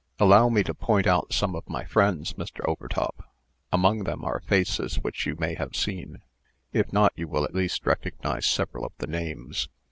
"Allow me to point out some of my friends, Mr. Overtop. Among them are faces which you may have seen. If not, you will at least recognize several of the names."